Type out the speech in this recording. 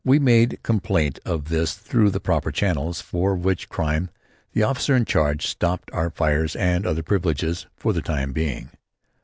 We made complaint of this through the proper channels, for which crime the officer in charge stopped our fires and other privileges for the time being.